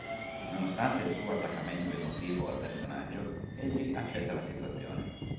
Nonostante il suo attaccamento emotivo al personaggio, egli accetta la situazione.